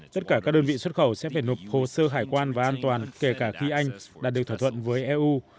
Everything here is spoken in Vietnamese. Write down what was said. tất cả các đơn vị xuất khẩu sẽ phải nộp hồ sơ hải quan và an toàn kể cả khi anh đạt được thỏa thuận với eu